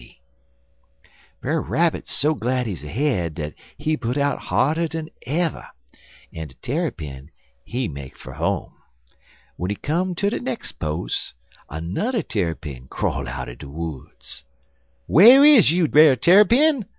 "Brer Rabbit so glad he's ahead dat he put out harder dan ever, en de Tarrypin, he make fer home. W'en he come ter de nex' pos', nudder Tarrypin crawl out er de woods. "'Whar is you, Brer Tarrypin?'